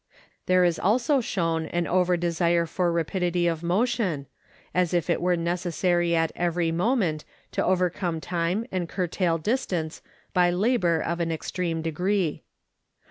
There is also shown an over desire for rapidity of motion, as if it were necessary at every moment to overcome time and curtail distance by labor of an extreme degree.